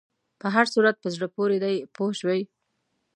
په هر صورت په زړه پورې دی پوه شوې!.